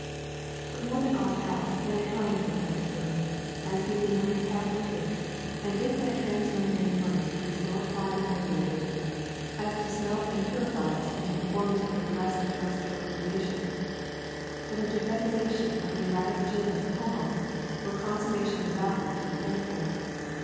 But more than aught else mankind requires burn ing, as being in great part wicked, and if that transmundane furnace can be so applied and regulated as to smelt and purify us into con [ 141 ] A Thousand Mile Walk formity with the rest of the terrestrial creation, then the tophetization of the erratic genus Homo were a consummation devoutly to be prayed for.